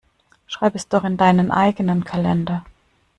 Schreib es doch in deinen eigenen Kalender.